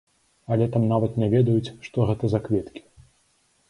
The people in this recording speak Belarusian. Але там нават не ведаюць, што гэта за кветкі.